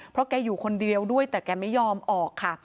เพราะแกอยู่คนเดียวด้วยแต่แกไม่ยอมออกค่ะ